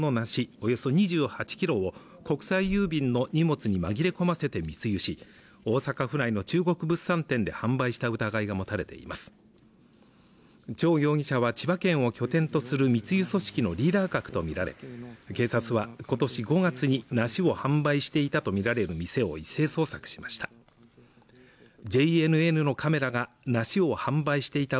およそ２８キロを国際郵便の荷物に紛れ込ませて密輸し大阪府内の中国物産展で販売した疑いが持たれています張容疑者は千葉県を拠点とする密輸組織のリーダー格と見られている警察はことし５月に梨を販売していたとみられる店を一斉捜索しましたＪＮＮのカメラが梨を販売していた